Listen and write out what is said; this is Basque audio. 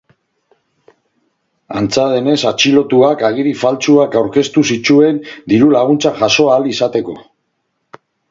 Antza denez, atxilotuak agiri faltsuak aurkeztu zituen diru-laguntzak jaso ahal izateko.